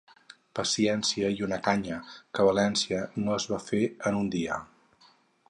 Paciència i una canya, que València no es va fer en un dia.